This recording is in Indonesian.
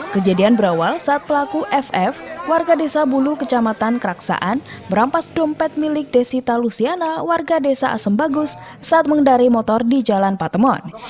kejadian berawal saat pelaku ff warga desa bulu kecamatan keraksaan merampas dompet milik desita lusiana warga desa asem bagus saat mengendari motor di jalan patemon